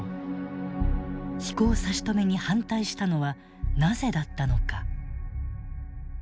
飛行差し止めに反対したのはなぜだったのか。